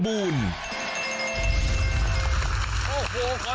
อรุณมาก